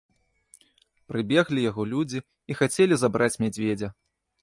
Прыбеглі яго людзі і хацелі забраць мядзведзя.